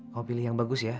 mau pilih yang bagus ya